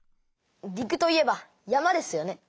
陸といえば山ですよね。